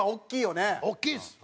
大きいです。